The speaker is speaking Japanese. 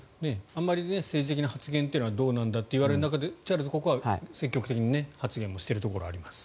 あまり政治的な発言というのはどうなんだといわれる中でチャールズ国王は積極的に発言もしているところがあります。